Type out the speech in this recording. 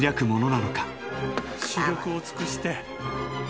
死力を尽くして！